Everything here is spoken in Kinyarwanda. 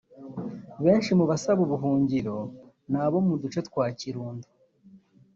Benshi mu basaba ubuhungiro ni abo mu duce twa Kirundo